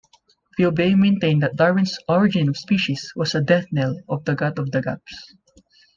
Bube maintained that Darwin's "Origin of Species" was the "death knell" of the God-of-the-gaps.